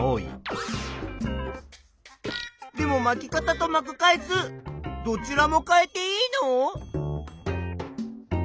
でもまき方とまく回数どちらも変えていいの？